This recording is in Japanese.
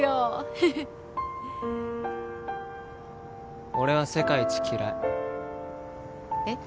フフッ俺は世界一嫌いえっ？